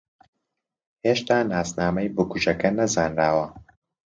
ھێشتا ناسنامەی بکوژەکە نەزانراوە.